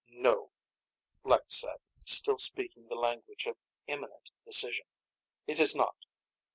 "No," Lek said, still speaking the language of imminent decision. "It is not."